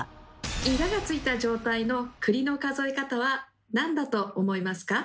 イガがついた状態の栗の数え方は何だと思いますか？